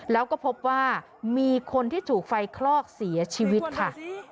แล้วก็พบว่ามีคนที่ถูกไฟคลอกเสียชีวิตค่ะ